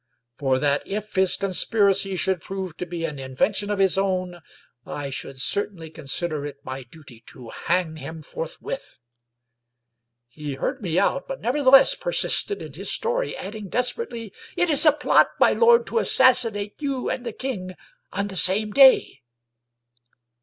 For that if his conspiracy should prove to be an invention of his own, I should certainly consider it my duty to hang him forthwith. He heard me out, but nevertheless persisted in his story, adding desperately, " It is a plot, my lord, to assassinate you and the king on the same day."